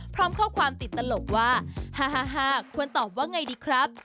พร้อมข้อความติดตลกว่าฮาควรตอบว่าไงดีครับ